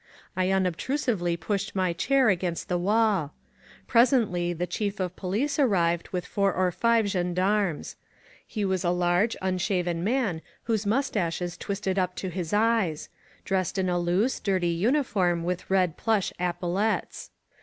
I unobtrusively pushed my chair against the wall. Presently the Chief of Po lice arrived with four or five gendarmes. He was a large, unshaven man whose mustaches twisted up to his eyes; dressed in a loose, dirty uniform with red plush epaulettes.